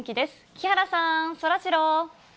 木原さん、そらジロー。